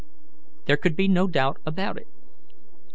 There could be no doubt about it.